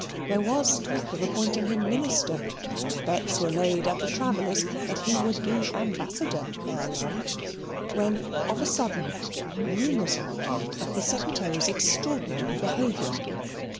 There was talk of appointing him minister, and bets were laid at the Travellers' that he would be ambassador ere long, when of a sudden, rumours arrived of the secretary's extraordinary behaviour.